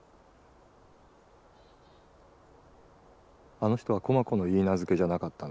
あの人は駒子のいいなずけじゃなかったの？